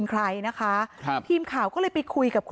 นางศรีพรายดาเสียยุ๕๑ปี